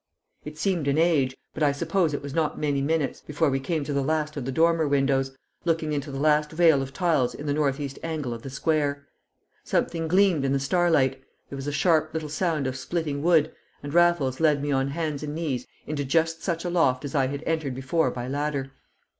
It seemed an age, but I suppose it was not many minutes, before we came to the last of the dormer windows, looking into the last vale of tiles in the north east angle of the square. Something gleamed in the starlight, there was a sharp little sound of splitting wood, and Raffles led me on hands and knees into just such a loft as I had entered before by ladder.